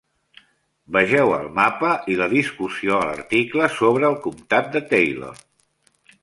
Vegeu el mapa i la discussió a l'article sobre el comtat de Taylor.